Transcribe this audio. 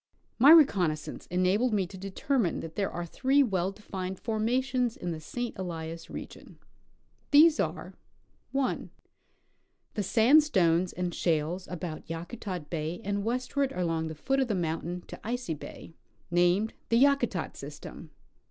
My reconnoissance enabled ixie to determine that there are three well defined formations in the St. Elias region. These are — 1. The sandstones and shales about Yakutat bay and west ward along the foot of the mountain to Icy bay, named the Ya kutat system. 2.